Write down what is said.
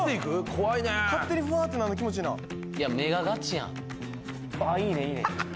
怖いね勝手にふわーってなんの気持ちいいな目がガチやんああーいいねいいねはははは